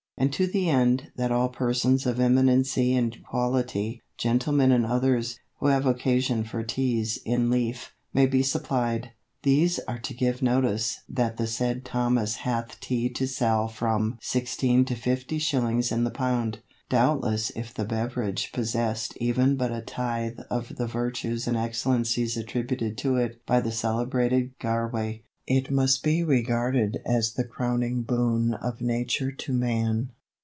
And to the end that all persons of eminency and quality, gentlemen and others, who have occasion for Teas in leaf, may be supplied, these are to give notice that the said Thomas hath Tea to sell from sixteen to fifty shillings in the pound." Doubtless if the beverage possessed even but a tithe of the virtues and excellences attributed to it by the celebrated Garway, it must be regarded as the crowning boon of Nature to man.